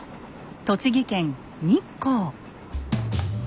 栃木県日光。